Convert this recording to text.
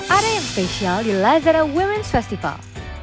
area yang spesial di lazada women's festival